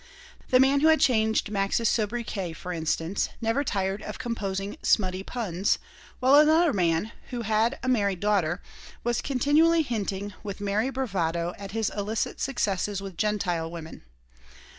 The man who had changed Max's sobriquet, for instance, never tired of composing smutty puns, while another man, who had a married daughter, was continually hinting, with merry bravado, at his illicit successes with Gentile women.